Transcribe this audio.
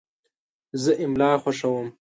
زه املا خوښوم.